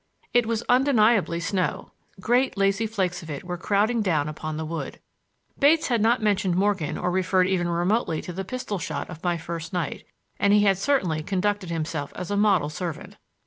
It was undeniably snow; great lazy flakes of it were crowding down upon the wood. Bates had not mentioned Morgan or referred even remotely to the pistol shot of my first night, and he had certainly conducted himself as a model servant.